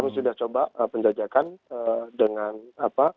mencoba penjajakan dengan apa